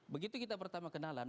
begitu kita pertama kenalan